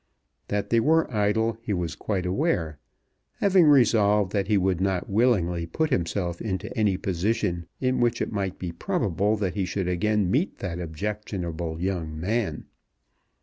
That they were idle he was quite aware, having resolved that he would not willingly put himself into any position in which it might be probable that he should again meet that objectionable young man.